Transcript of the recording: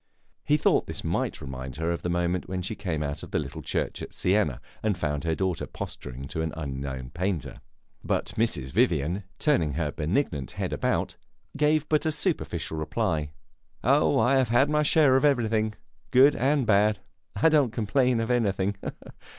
He thought this might remind her of the moment when she came out of the little church at Siena and found her daughter posturing to an unknown painter. But Mrs. Vivian, turning her benignant head about, gave but a superficial reply. "Oh, I have had my share of everything, good and bad. I don't complain of anything."